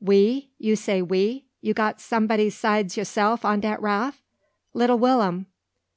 "We you say we? You got some'dy sides yaself on dat raff?" "Little Will'm."